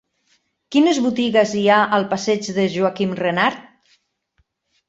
Quines botigues hi ha al passeig de Joaquim Renart?